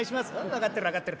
「分かってる分かってる。